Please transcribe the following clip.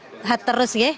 sehat terus ya